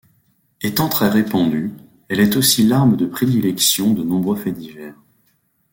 Étant très répandue, elle est aussi l'arme de prédilection de nombreux faits divers.